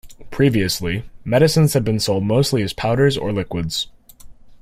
Previously, medicines had been sold mostly as powders or liquids.